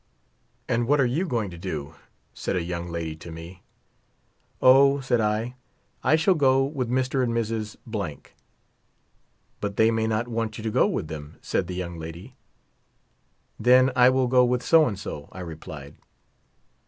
"And what are you going to do?" said a young lady to me. ♦' O," said I ;" I shall go with Mr. and Mrs. ." *'But they may not want you to go with them," said the young lady. "Then I will go with so and so,'* I replied.